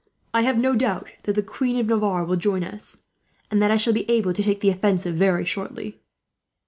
I have no doubt that the Queen of Navarre will join us, and that I shall be able to take the offensive, very shortly."